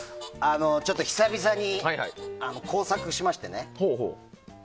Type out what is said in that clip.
ちょっと久々に工作しましてね。